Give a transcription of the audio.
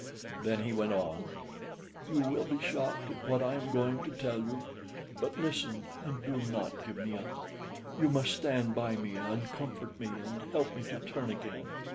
Then he went on "You will be shocked at what I am going to tell you; but listen, and do not give me up: You must stand by me and comfort me and help me to turn again."